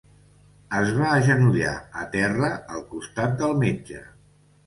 Es va agenollar a terra al costat del metge.